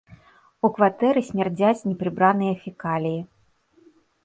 У кватэры смярдзяць непрыбраныя фекаліі.